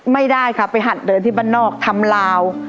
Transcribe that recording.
ไม่ได้ค่ะไปหัดเดินที่บ้านนอกทำลาว